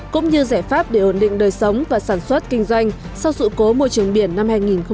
cũng như giải pháp để ổn định đời sống và sản xuất kinh doanh sau sự cố môi trường biển năm hai nghìn một mươi chín